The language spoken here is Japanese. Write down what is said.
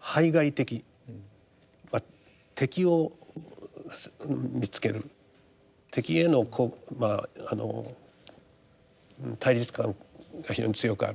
排外的敵を見つける敵へのこうまああの対立感が非常に強くある。